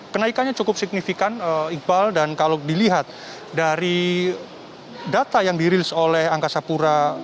kenaikannya cukup signifikan iqbal dan kalau dilihat dari data yang dirilis oleh angkasa pura